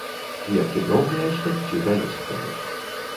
Кветкі дробныя, з пяццю пялёсткамі.